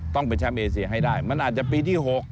ต้องเป็นแชมป์เอเซียให้ได้มันอาจจะปีที่๖